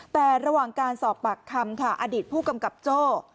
แต่ระหว่างการสอบปากคำค่ะอดีตผู้กำกับโจ้